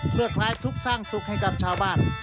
เพื่อคลายทุกข์สร้างสุขให้กับชาวบ้าน